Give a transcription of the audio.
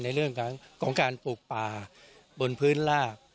ในเรื่องของการปลูกป่าบนพื้นลาบ